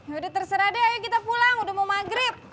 udah terserah deh ayo kita pulang udah mau maghrib